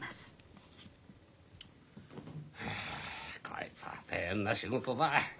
こいつは大変な仕事だ。